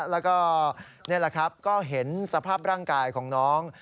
แล้วก็นี่แหละครับก็เห็นสภาพร่างกายของน้อง